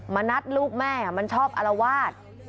มณัฐลูกแม่มันชอบอลวาส